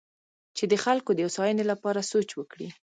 چې د خلکو د هوساینې لپاره سوچ وکړي.